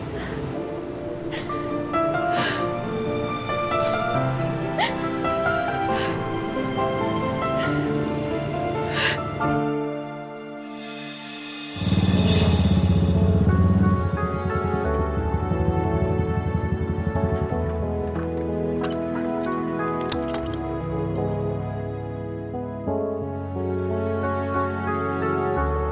belum mau pc